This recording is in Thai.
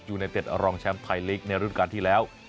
อยู่ในเต็ดอรองแชมป์ไทยเล็กในฤดูกาลที่แล้ว